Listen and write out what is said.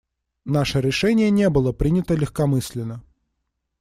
Наше решение не было принято легкомысленно.